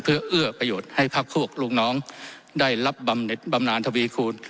เพื่อเอื้อประโยชน์ให้พักพวกลูกน้องได้รับบำเน็ตบำนานทวีคูณ